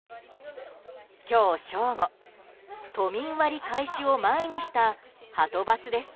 今日正午、都民割開始を前にした、はとバスです。